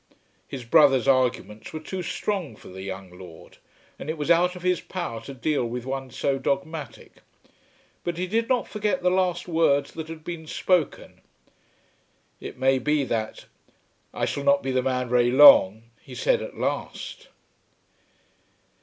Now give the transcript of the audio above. His brother's arguments were too strong for the young lord, and it was out of his power to deal with one so dogmatic. But he did not forget the last words that had been spoken. It may be that "I shall not be the man very long," he said at last.